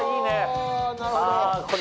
あなるほど。